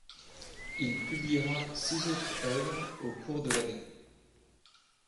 Il publiera six autres œuvres au cours de l'année.